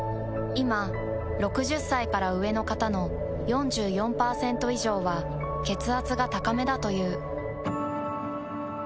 いま６０歳から上の方の４４％以上は血圧が高めだという。